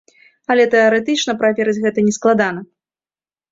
Але тэарэтычна праверыць гэта не складана.